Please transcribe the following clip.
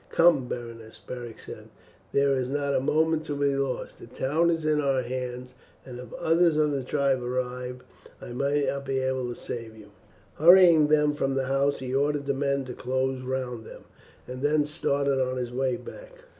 "Come, Berenice," Beric said, "there is not a moment to be lost; the town is in our hands, and if others of the tribe arrive I might not be able to save you." Hurrying them from the house he ordered the men to close round them, and then started on his way back.